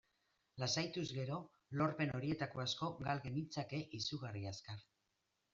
Lasaituz gero, lorpen horietako asko gal genitzake izugarri azkar.